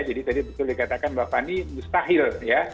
jadi tadi betul dikatakan mbak fani mustahil ya